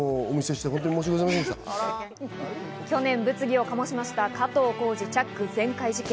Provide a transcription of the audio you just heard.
去年、物議をかもし出した、加藤浩次チャック全開事件。